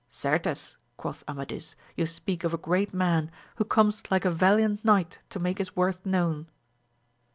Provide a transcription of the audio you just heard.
Certes, quoth Amadis, you speak of a great man, who comes like a valiant knight to make his worth known.